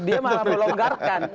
dia malah melonggarkan